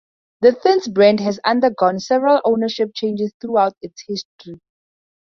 The Thins brand has undergone several ownership changes throughout its history.